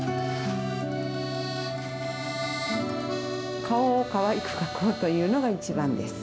顔をかわいく描こうというのが一番です。